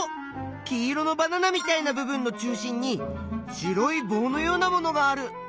黄色のバナナみたいな部分の中心に白いぼうのようなものがある。